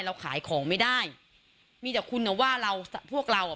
เราขายของไม่ได้มีแต่คุณอ่ะว่าเราพวกเราอ่ะ